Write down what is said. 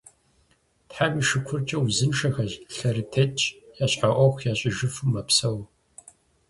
Тхьэм и шыкуркӀэ, узыншэхэщ, лъэрытетщ, я щхьэ Ӏуэху ящӀэжыфу мэпсэу.